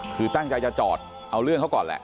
คือตั้งใจจะจอดเอาเรื่องเขาก่อนแหละ